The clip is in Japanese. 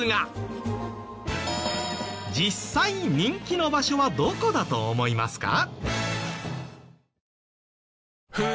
実際人気の場所はどこだと思いますか？